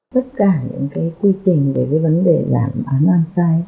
tất cả những cái quy trình về cái vấn đề làm bán oan sai